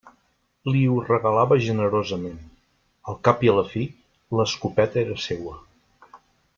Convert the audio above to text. Li ho regalava generosament: al cap i a la fi, l'escopeta era seua.